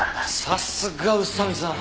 さすが宇佐見さん！